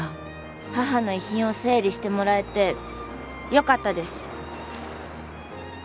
母の遺品を整理してもらえてよかったです。